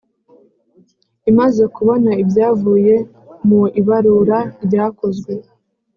Imaze kubona ibyavuye mu ibarura ryakozwe